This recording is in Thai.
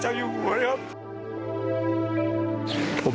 สวัสดีครับทุกคน